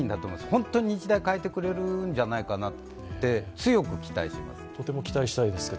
本当に日大を変えてくれるんじゃないかなって強く期待します。